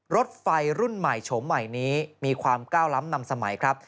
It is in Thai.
รถไฟรุ่นใหม่โฉมใหม่นี้มีความก้าวล้ำนำสมัยครับ